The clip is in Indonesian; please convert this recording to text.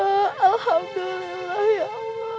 alhamdulillah ya allah